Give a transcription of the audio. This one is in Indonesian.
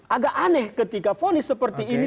agak aneh ketika fonis seperti ini